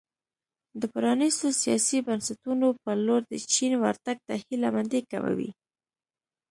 د پرانیستو سیاسي بنسټونو په لور د چین ورتګ ته هیله مندي کموي.